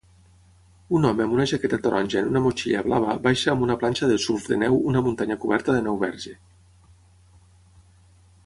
Un home amb una jaqueta taronja en una motxilla blava baixa amb una planxa de surf de neu una muntanya coberta de neu verge.